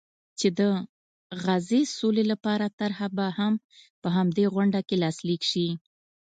چې د غزې سولې لپاره طرحه به هم په همدې غونډه کې لاسلیک شي.